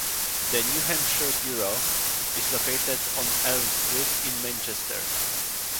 The "New Hampshire Bureau" is located on Elm Street in Manchester.